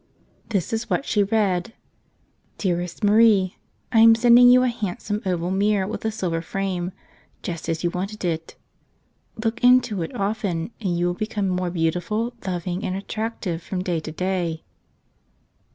This is what she read: "Dearest Marie, I am send¬ ing you a handsome oval mirror with a silver frame — just as you wanted it. Look into it often and you will become more beautiful, loving, and attractive from day to day."